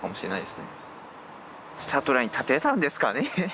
スタートラインに立てたんですかね。